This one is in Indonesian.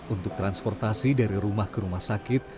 untuk transportasi dari rumah ke rumah sakit